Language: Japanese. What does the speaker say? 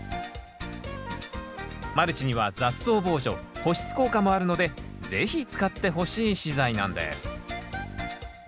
マルチには雑草防除保湿効果もあるので是非使ってほしい資材なんです